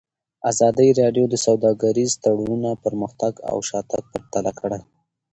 ازادي راډیو د سوداګریز تړونونه پرمختګ او شاتګ پرتله کړی.